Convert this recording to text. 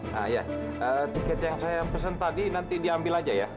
nah ya tiket yang saya pesan tadi nanti diambil aja ya